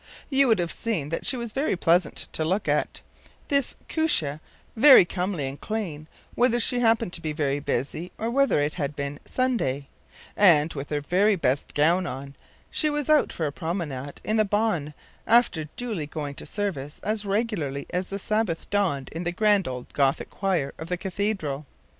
You would have seen that she was very pleasant to look at, this Koosje, very comely and clean, whether she happened to be very busy, or whether it had been Sunday, and, with her very best gown on, she was out for a promenade in the Baan, after duly going to service as regularly as the Sabbath dawned in the grand old Gothic choir of the cathedral.